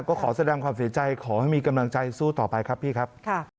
ก็ขอแสดงความเสียใจขอให้มีกำลังใจสู้ต่อไปครับพี่ครับ